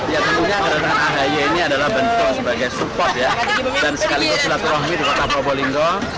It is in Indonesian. ya tentunya karena ahi ini adalah bentuk sebagai support ya dan sekaligus berlatih rahmi di kota promolinggo